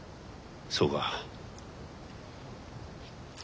そうか。